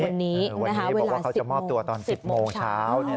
วันนี้บอกว่าเขาจะมอบตัวตอน๑๐โมงเช้า